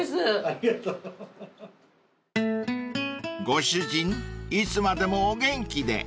［ご主人いつまでもお元気で］